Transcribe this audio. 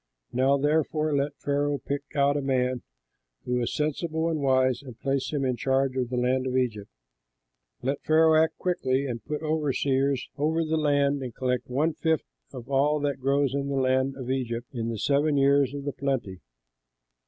Now therefore let Pharaoh pick out a man who is sensible and wise and place him in charge of the land of Egypt. Let Pharaoh act quickly and put overseers over the land and collect one fifth of all that grows in the land of Egypt in the seven years of plenty.